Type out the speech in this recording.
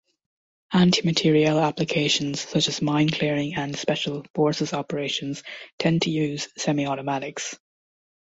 Anti-materiel applications such as mine clearing and special forces operations tend to use semi-automatics.